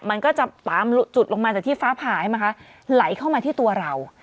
มันก็จะตามจุดลงมาจากที่ฟ้าผ่าใช่ไหมคะไหลเข้ามาที่ตัวเรา